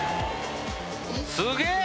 すげえ！